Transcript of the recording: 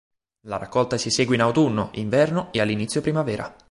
La raccolta si esegue in autunno, inverno e all'inizio primavera.